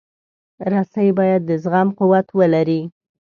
رسۍ باید د زغم قوت ولري.